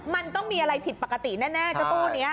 มันต้องมีอะไรผิดปกติแน่เจ้าตู้นี้